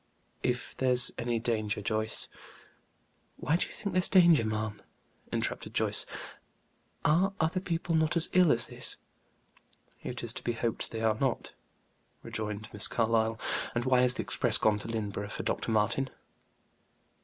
"If there's any danger, Joyce " "Why, do you think there's danger, ma'am?" interrupted Joyce. "Are other people not as ill as this?" "It is to be hoped they are not," rejoined Miss Carlyle. "And why is the express gone to Lynneborough for Dr. Martin?"